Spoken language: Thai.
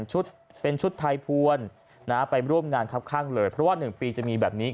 ชุดเป็นชุดไทยพวนไปร่วมงานครับข้างเลยเพราะว่า๑ปีจะมีแบบนี้